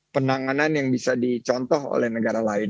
penanganan yang bisa dicontoh oleh negara lain